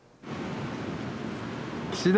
岸田